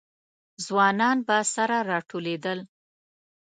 ځوانان به سره راټولېدل.